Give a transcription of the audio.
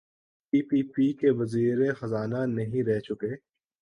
پی P P کے وزیر خزانہ نہیں رہ چکے؟